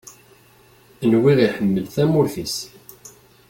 Nwiɣ iḥemmel tamurt-is.